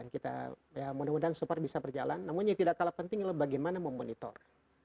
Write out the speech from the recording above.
kita ya mudah mudahan super bisa berjalan namun yang tidak kalah penting adalah bagaimana memonitor